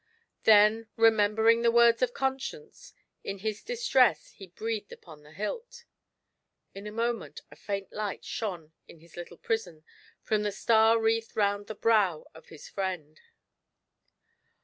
Then remem bering the words of Conscience, in his distress he breathed upon the hilt. In a moment a faint light shone in his prison fi:om the star wreath round the brow of his friend.